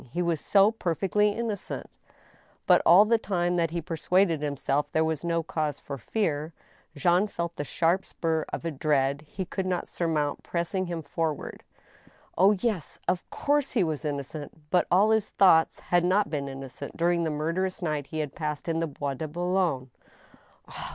He was so perfectly innocent. ... But all the time that he persuaded himself there was no cause for fear, Jean felt the sharp spur of a dread he could not surmount pressing him forward. Oh, yes !— of course he was innocent ! But all his thoughts had not been innocent during the murderous night he had passed in the Bois de Boulogne.